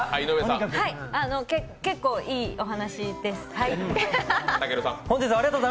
結構いいお話です、はい。